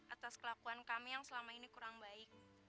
atas kelakuan kami yang selama ini kurang baik